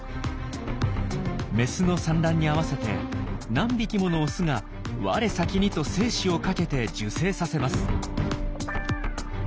メスの産卵に合わせて何匹ものオスがわれさきにと精子をかけて受精させます。